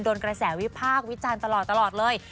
โดนกระแสวิพากค์วิตจาลตลอดเลย